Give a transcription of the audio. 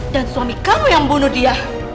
dan suami kamu yang bunuh dia